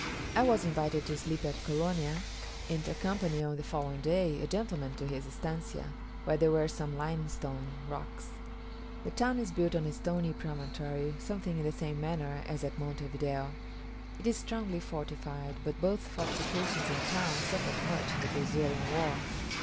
I was invited to sleep at Colonia, and to accompany on the following day a gentleman to his estancia, where there were some limestone rocks. The town is built on a stony promontory something in the same manner as at Monte Video. It is strongly fortified, but both fortifications and town suffered much in the Brazilian war.